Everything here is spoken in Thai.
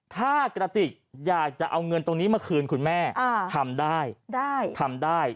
ถ้ากระติกอยากจะเอาเงินตรงนี้มาคืนคุณแม่ทำได้ทำได้